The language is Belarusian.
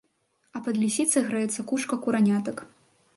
А пад лісіцай грэецца кучка куранятак.